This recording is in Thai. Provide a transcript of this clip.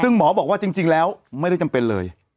ซึ่งหมอบอกว่าจริงแล้วไม่ได้จำเป็นเลย